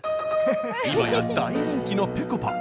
今や大人気のぺこぱ。